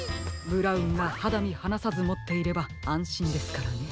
ブラウンがはだみはなさずもっていればあんしんですからね。